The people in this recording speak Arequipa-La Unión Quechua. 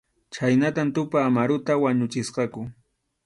Chhaynatam Tupa Amaruta wañuchisqaku.